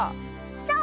そう！